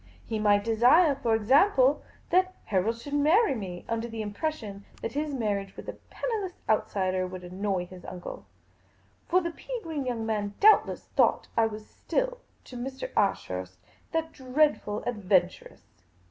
He might desire, for example, that Harold should marry me, under the impression that his marriage with a penniless outsider would annoy his uncle ; for the pea green young man doubtless thought that I was still to Mr. Ashurst just that dreadful adventuress.